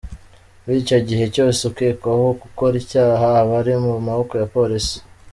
Muri icyo gihe cyose ukekwaho gukora icyaha aba ari mu maboko ya Polisi.